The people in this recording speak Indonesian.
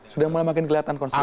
sudah mulai makin kelihatan konsumen